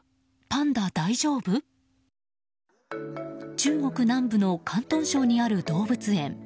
中国南部の広東省にある動物園。